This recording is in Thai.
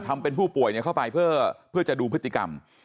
ทำเป็นผู้ป่วยเข้าไปเพื่อจะดูพฤติกรรม